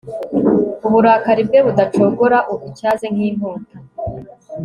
uburakari bwe budacogora abutyaze nk'inkota